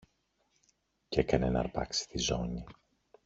Κι έκανε ν' αρπάξει τη ζώνη.